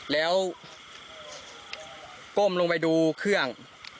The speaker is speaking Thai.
แล้วก้มลงไปดูเครื่อง